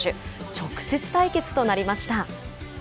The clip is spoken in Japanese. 直接対決となりました。